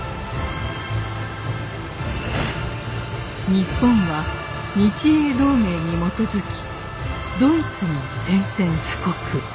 日本は日英同盟に基づきドイツに宣戦布告。